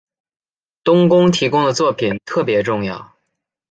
冬宫提供的作品特别重要。